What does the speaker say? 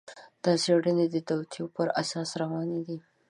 دا څېړنې د توطیو پر اساس روانې دي.